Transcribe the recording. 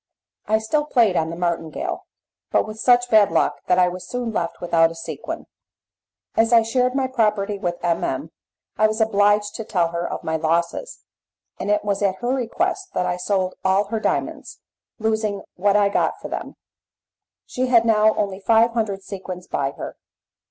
I still played on the martingale, but with such bad luck that I was soon left without a sequin. As I shared my property with M. M. I was obliged to tell her of my losses, and it was at her request that I sold all her diamonds, losing what I got for them; she had now only five hundred sequins by her.